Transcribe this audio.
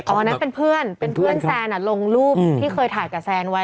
อันนั้นเป็นเพื่อนเป็นเพื่อนแซนลงรูปที่เคยถ่ายกับแซนไว้